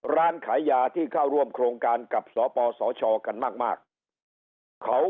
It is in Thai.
ร้านขายยาที่เข้าร่วมโครงการกับสปสชกันมากมากเขา